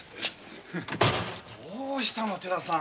どうしたの寺さん。